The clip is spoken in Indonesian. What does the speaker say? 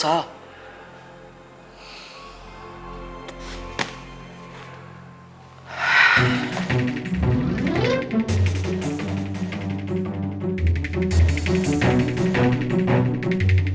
tidak ada yang bisa menang